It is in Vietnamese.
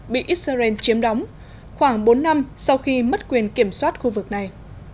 bị israel chiếm đóng khoảng bốn năm sau khi mất quyền kiểm soát khu vực này